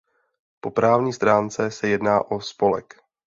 Po právní stránce se jedná o spolek.